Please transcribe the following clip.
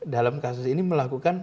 dalam kasus ini melakukan